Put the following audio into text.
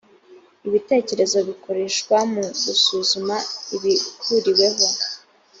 ibitekerezo biikoreshwa mu gusuzuma ibihuriweho